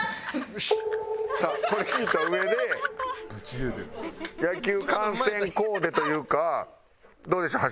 さあこれ聞いたうえで野球観戦コーデというかどうでしょう？